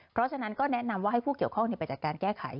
เพราะฉะนั้นก็แนะนำว่าให้ผู้เกี่ยวข้องไปจัดการแก้ไข